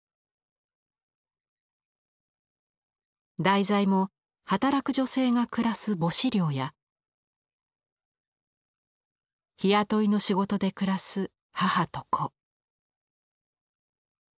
題材も働く女性が暮らす母子寮や日雇いの仕事で暮らす母と子。